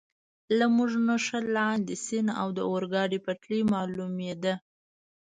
له موږ نه ښه لاندې، سیند او د اورګاډي پټلۍ معلومېده.